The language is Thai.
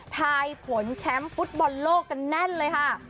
ทายผลแชมป์ฟุตบอลโลกกันแน่นเลยค่ะ